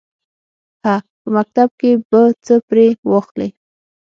_هه! په مکتب کې به څه پرې واخلې.